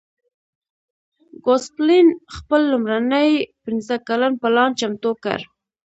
ګوسپلن خپل لومړنی پنځه کلن پلان چمتو کړ